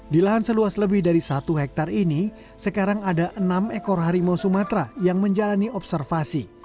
di lahan seluas lebih dari satu hektare ini sekarang ada enam ekor harimau sumatera yang menjalani observasi